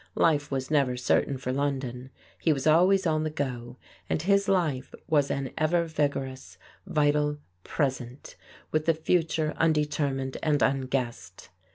Life was never certain for London. He was always on the go, and his life was an ever vigorous, vital present, with the future undetermined and unguessed.